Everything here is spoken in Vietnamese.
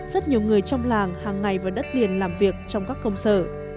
rất nhiều người trong làng hàng ngày vào đất liền làm việc trong các công sở